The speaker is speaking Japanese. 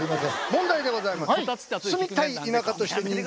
問題でございます。